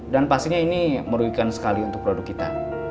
dan pastinya ini merugikan sekali untuk produk kita